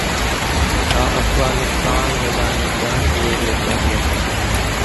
نہ افغانستان میدان جنگ وہ ہوتا ہے۔